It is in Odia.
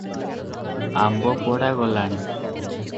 ଆମ୍ବପଡା ଗଲାଣି ।